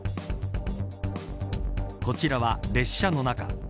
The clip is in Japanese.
こちらは列車の中。